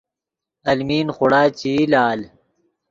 المی خوڑا چے ای لال